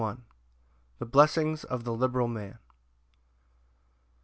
The blessings of the liberal man.